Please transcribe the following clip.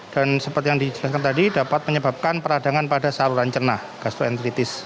dan seperti yang dijelaskan tadi dapat menyebabkan peradangan pada saluran cernah gastroenteritis